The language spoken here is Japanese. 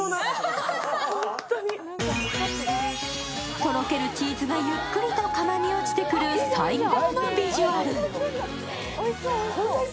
とろけるチーズがゆっくりと釜に落ちてくる最高のビジュアル。